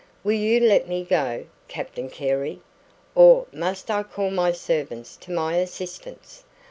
"Will you let me go, Captain Carey? Or must I call my servants to my assistance?